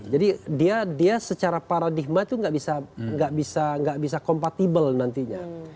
jadi dia secara paradigma itu tidak bisa kompatibel nantinya